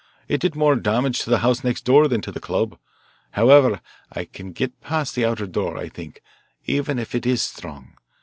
It did more damage to the house next door than to the club. However, I can get past the outer door, I think, even if it is strong.